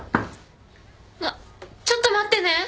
・あっちょっと待ってね。